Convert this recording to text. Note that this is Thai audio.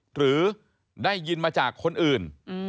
หรือได้ยินมาจากคนอื่น